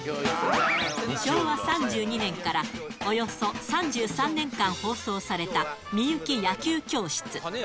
昭和３２年からおよそ３３年間放送された、ミユキ野球教室。